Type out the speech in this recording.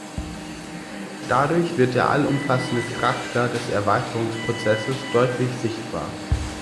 Dadurch wird der allumfassende Charakter des Erweiterungsprozesses deutlich sichtbar.